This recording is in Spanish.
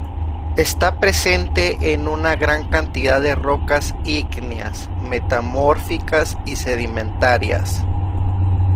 Esta presente en una gran cantidad de rocas ígneas, metamórficas y sedimentarias.